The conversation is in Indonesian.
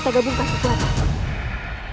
aku akan menangkapmu